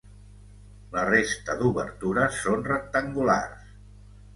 La resta d'obertures són rectangulars.